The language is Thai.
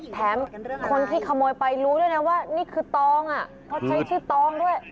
แถมคนที่ขโมยไปรู้ด้วยนะว่านี่คือตองอ่ะเพราะใช้ชื่อตองด้วย